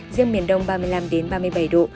riêng miền đông ba mươi năm ba mươi bảy độ